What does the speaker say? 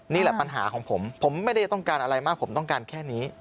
นี่แหละปัญหาของผมผมไม่ได้ต้องการอะไรมากผมต้องการแค่นี้